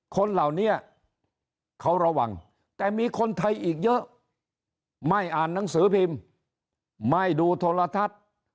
คนเหล่านี้เขาระวังแต่มีคนไทยอีกเยอะไม่อ่านหนังสือพิมพ์ไม่ดูโทรทัศน์